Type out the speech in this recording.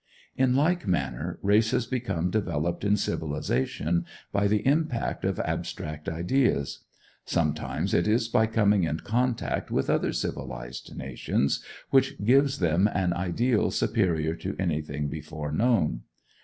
In like manner, races become developed in civilization by the impact of abstract ideas. Sometimes it is by coming in contact with other civilized nations, which gives them an ideal superior to anything before known.